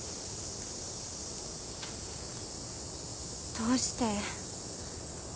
どうして？